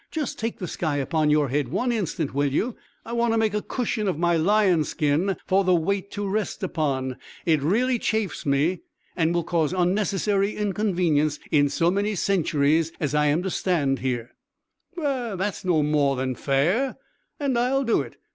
"Just take the sky upon your head one instant, will you? I want to make a cushion of my lion's skin, for the weight to rest upon. It really chafes me, and will cause unnecessary inconvenience in so many centuries as I am to stand here." "That's no more than fair, and I'll do it!"